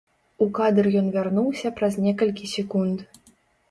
У кадр ён вярнуўся праз некалькі секунд.